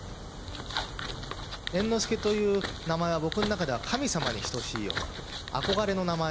猿之助という名前は、僕の中では神様に等しいような、憧れの名前。